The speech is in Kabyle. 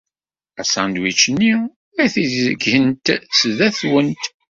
Asandwič-nni ad t-id-gent sdat-went.